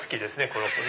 この子。